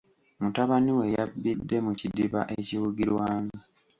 Mutabani we yabbidde mu kidiba ekiwugirwamu.